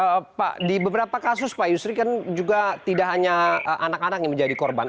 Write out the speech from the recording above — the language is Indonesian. oke pak di beberapa kasus pak yusri kan juga tidak hanya anak anak yang menjadi korban